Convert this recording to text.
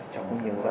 cháu không nhớ ra đâu